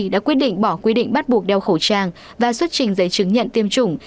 đã quyết định bỏ quy định bắt buộc đeo khẩu trang và xuất trình giấy chứng nhận tiêm chủng